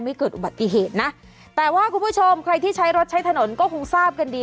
เกิดอุบัติเหตุนะแต่ว่าคุณผู้ชมใครที่ใช้รถใช้ถนนก็คงทราบกันดี